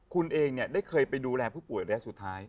คุณเองได้เคยไปดูแลผู้ป่วยระยะสุดท้าย